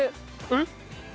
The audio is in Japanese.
えっ？